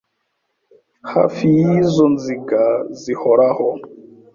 Hafi yizo nziga zihoraho